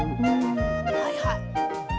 はいはい。